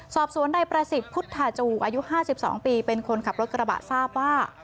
สอบสวนใดประสิทธิ์พุทธาจูอายุห้าสิบสองปีเป็นคนขับรถกระบาดทราบว่า